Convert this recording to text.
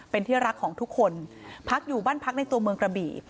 เป็นที่รักของทุกคนพักอยู่บ้านพักในตัวเมืองกระบี่